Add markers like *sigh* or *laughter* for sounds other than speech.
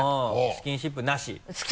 スキンシップなし *laughs*